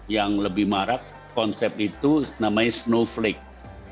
yang lebih marak konsep itu namanya snowflake